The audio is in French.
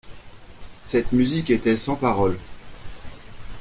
Cette musique était sans paroles.